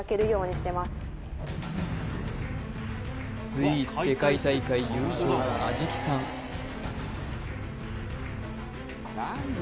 スイーツ世界大会優勝の安食さん